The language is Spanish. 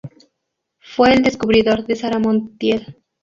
Fue el descubridor de Sara Montiel.